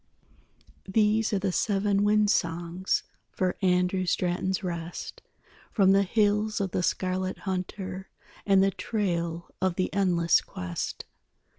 _These are the seven wind songs For Andrew Straton's rest, From the hills of the Scarlet Hunter And the trail of the endless quest.